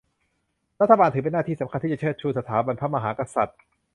รัฐบาลถือเป็นหน้าที่สำคัญที่จะเชิดชูสถาบันพระมหากษัตริย์